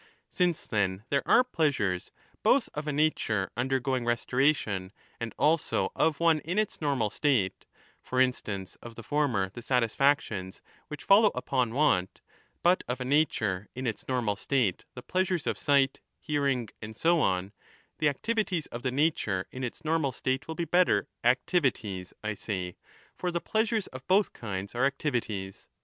Since, then, there are pleasures both of a nature under going restoration and also of one in its normal state, for instance of the former the satisfactions which follow upon want, but of a nature in its normal state the pleasures of sight, hearing, and so on, the activities of the nature in its normal state will be better — 'activities' I say, for the pleasures of both kinds are activities.